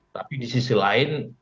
tapi di sisi lain